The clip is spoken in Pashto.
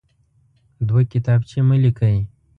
دوه کتابچې مه لیکئ.